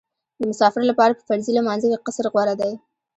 د مسافر لپاره په فرضي لمانځه کې قصر غوره دی